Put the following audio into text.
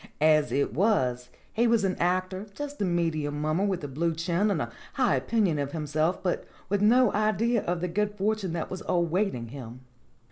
As it was he was an actor just a medium mummer with a blue chin and a high opinion of himself, but with no idea of the good fortune that was awaiting him.